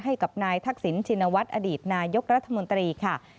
ให้กับนายทักษิณชินวัฒน์อดีตนายกรัฐมนตรีค่ะ